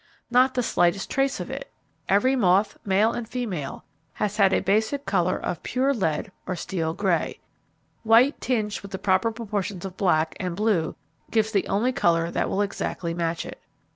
Not the slightest trace of it! Each moth, male and female, has had a basic colour of pure lead or steel grey. White tinged with the proper proportions of black and blue gives the only colour that will exactly match it.